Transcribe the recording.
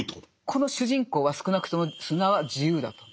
この主人公は少なくとも砂は自由だと。